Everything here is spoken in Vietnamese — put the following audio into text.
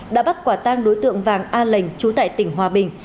đã bắt quả tang đối tượng vàng a lệnh trú tại tỉnh hòa bình